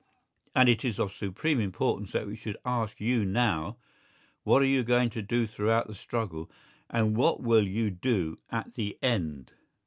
And it is of supreme importance that we should ask you now—What are you going to do throughout the struggle, and what will you do at the end?